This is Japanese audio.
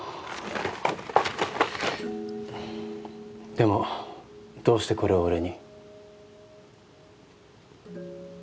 でもどうしてこれを俺に？